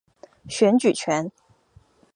选举权。